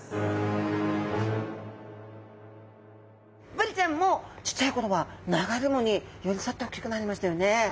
ブリちゃんもちっちゃい頃は流れ藻に寄り添っておっきくなりましたよね。